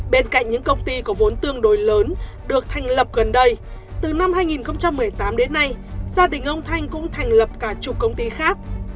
bên cạnh những công ty có vốn tương đối lớn được thành lập gần đây từ năm hai nghìn một mươi tám đến nay gia đình ông thanh cũng thành lập cả chục công ty khác